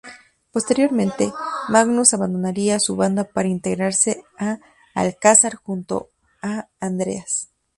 Posteriormente, Magnus abandonaría a su banda para integrarse a Alcazar junto a Andreas.